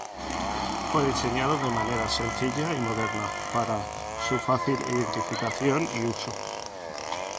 Fue diseñado de manera sencilla y moderna para su fácil identificación y uso.